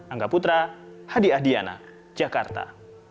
angga putra hadi ahdiana jakarta